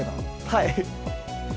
はい。